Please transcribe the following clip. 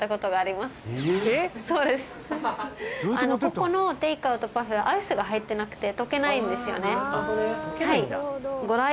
ここのテイクアウトパフェはアイスが入ってなくて溶けないんですよねああなるほどね